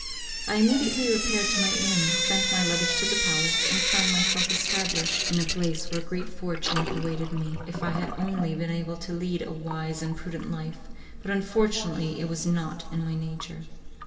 I immediately repaired to my inn, sent my luggage to the palace, and found myself established in a place in which a great fortune awaited me, if I had only been able to lead a wise and prudent life, but unfortunately it was not in my nature.